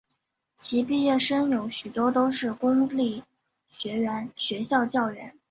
其毕业生有许多都是公立学校教员。